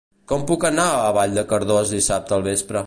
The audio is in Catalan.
Com puc anar a Vall de Cardós dissabte al vespre?